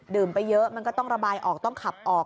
ไปเยอะมันก็ต้องระบายออกต้องขับออก